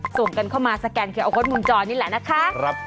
ส่วนกันเข้ามาสแกนแชร์เข้าค้นมุมจอนนี่แหละนะครับครับ